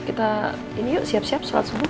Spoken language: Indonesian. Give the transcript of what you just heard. kita ini yuk siap siap sholat subuh